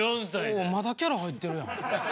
おおまだキャラ入ってるやん。